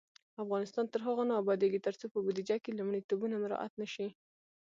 افغانستان تر هغو نه ابادیږي، ترڅو په بودیجه کې لومړیتوبونه مراعت نشي.